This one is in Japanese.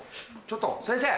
ちょっと先生！